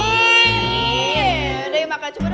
yaudah yuk makan coba dong coba coba